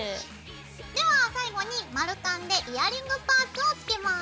では最後に丸カンでイヤリングパーツをつけます。